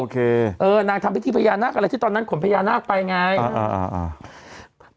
โอเคเออนางทำพิธีพญานาคอะไรที่ตอนนั้นข่มพญานาคไปไงอ่าอ่าอ่า